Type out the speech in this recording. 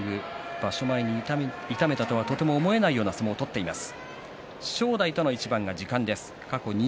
場所前に痛めたとはとても思えないような相撲を取っています。